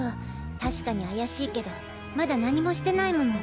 確かに怪しいけどまだ何もしてないもの。